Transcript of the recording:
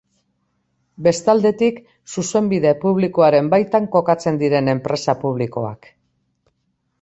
Bestaldetik, Zuzenbide Publikoaren baitan kokatzen diren enpresa publikoak.